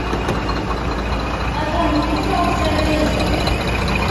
A tameṭṭut, ɛuzz argaz-im.